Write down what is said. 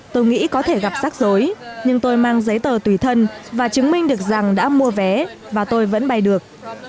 tôi nghĩ có thể gặp rắc rối nhưng tôi mang giấy tờ tùy thân và chứng minh được rằng đã mua vé và tôi vẫn bay được